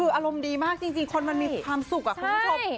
คืออารมณ์ดีมากจริงคนมันมีความสุขอะคุณผู้ชม